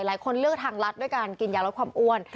หลายคนเลือกทางลัดด้วยการกินยาลดความอ้วน